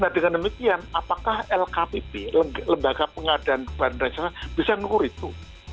nah dengan demikian apakah lkpp lembaga pengadaan bahan reksana bisa mengukur itu